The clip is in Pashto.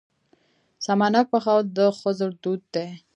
سمنک پخول د ښځو دود دی.